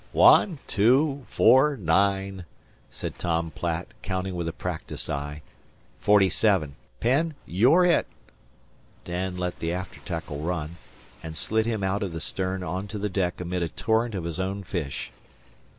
"One, two, four nine," said Tom Platt, counting with a practised eye. "Forty seven. Penn, you're it!" Dan let the after tackle run, and slid him out of the stern on to the deck amid a torrent of his own fish.